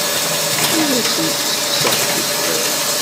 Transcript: Ur asent-ttekkseɣ tikbert.